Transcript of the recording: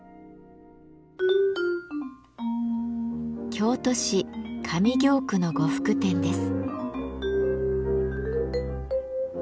京都市上京区の呉服店です。